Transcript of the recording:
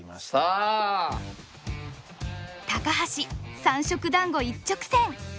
高橋三色団子一直線。